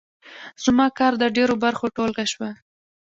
زما کار د ډېرو برخو ټولګه شوه.